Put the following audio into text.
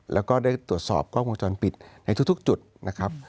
แล้วก็ได้ตรวจสอบกล้องวงจรปิดในทุกจุดนะครับ